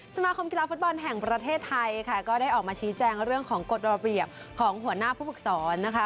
สมาคมกีฬาฟุตบอลแห่งประเทศไทยค่ะก็ได้ออกมาชี้แจงเรื่องของกฎระเบียบของหัวหน้าผู้ฝึกศรนะคะ